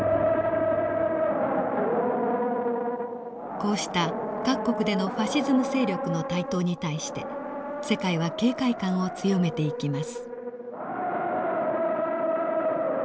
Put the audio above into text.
こうした各国でのファシズム勢力の台頭に対して世界は警戒感を強めていきます。